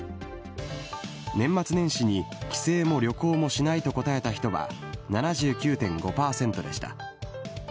年末年始に帰省も旅行もしないと答えた人は７９．５％でした。